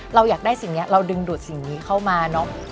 เราอยากได้สิ่งนี้เราดึงดูดสิ่งนี้เข้ามาเนอะ